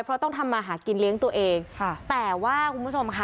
เพราะต้องทำมาหากินเลี้ยงตัวเองค่ะแต่ว่าคุณผู้ชมค่ะ